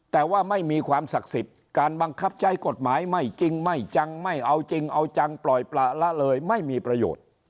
แต่ว่าไม่มีความศักดิ์สิทธิ์การบังคับใช้กฎหมาย